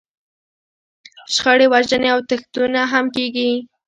شخړې، وژنې او تښتونه هم کېږي.